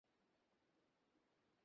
আমার কাছে এখন সেই সামর্থ্য রয়েছে।